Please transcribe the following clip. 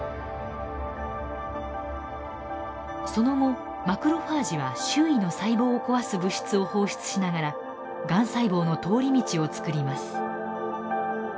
その後マクロファージは周囲の細胞を壊す物質を放出しながらがん細胞の通り道を作ります。